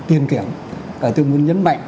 tiền kiểm và tôi muốn nhấn mạnh